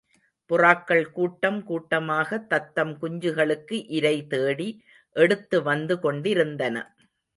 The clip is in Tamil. புறாக்கள் கூட்டம் கூட்டமாகத் தத்தம் குஞ்சுகளுக்கு இரை தேடி எடுத்துவந்து கொண்டிருந்தன.